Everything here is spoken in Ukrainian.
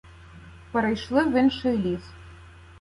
Перейшли в інший ліс.